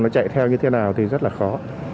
nó chạy theo như thế nào thì rất là khó